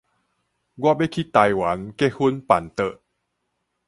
我欲去台灣結婚辦桌